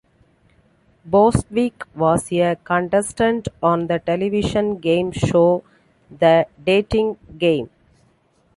Bostwick was a contestant on the television game show, "The Dating Game".